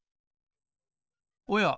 おや？